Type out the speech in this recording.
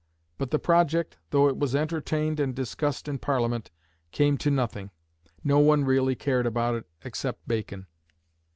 But the project, though it was entertained and discussed in Parliament, came to nothing. No one really cared about it except Bacon.